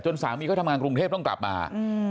สามีเขาทำงานกรุงเทพต้องกลับมา